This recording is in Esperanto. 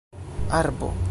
arbo